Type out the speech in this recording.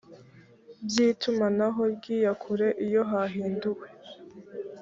bw itumanaho ry iya kure iyo hahinduwe